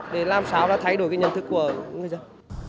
để làm sao là thay đổi cái nhận thức của người dân